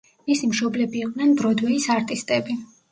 მისი მშობლები იყვნენ ბროდვეის არტისტები.